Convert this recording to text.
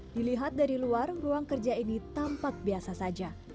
dilihat dari luar ruang kerja ini tampak biasa saja